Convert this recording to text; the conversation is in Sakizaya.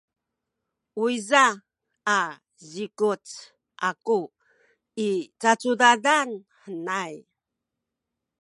uyza a zikuc aku i cacudadan henay.